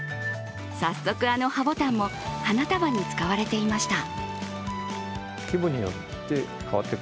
早速、あの葉牡丹も花束に使われていました。